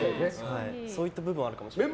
そういった部分あるかもしれません。